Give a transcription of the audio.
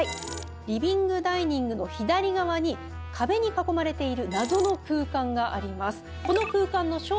リビングダイニングの左側に壁に囲まれている謎の空間があります。